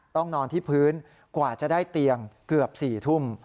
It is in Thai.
นอนที่พื้นกว่าจะได้เตียงเกือบ๔ทุ่ม